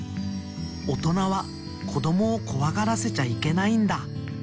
おとなはこどもをこわがらせちゃいけないんだ。